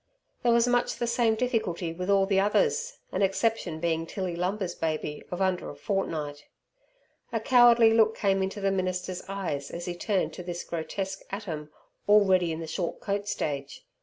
There was much the same difficulty with all the others, an exception being Tilly Lumber's baby of under a fortnight. A cowardly look came into the minister's eyes as he turned to this grotesque atom already in the short coat stage.